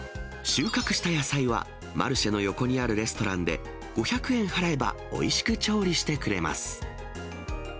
収穫した野菜は、マルシェの横にあるレストランで、５００円払えば、おいしく調理してくれます。